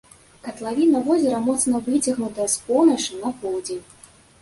Катлавіна возера моцна выцягнутая з поўначы на поўдзень.